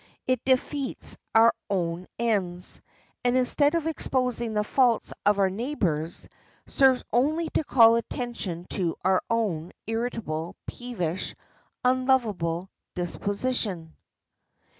It defeats its own ends, and instead of exposing the faults of our neighbors, serves only to call attention to our own irritable, peevish, unlovable disposition.